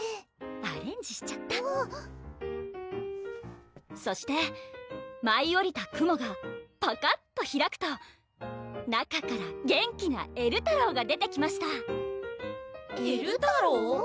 アレンジしちゃったそしてまいおりた雲がぱかっと開くと中から元気なえるたろうが出てきましたえるたろう？